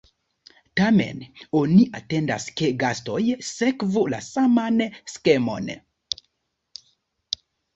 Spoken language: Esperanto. Tamen, oni atendas, ke gastoj sekvu la saman skemon.